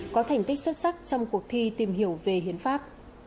có thành tích xuất sắc trong cuộc thi tìm hiểu về hiến pháp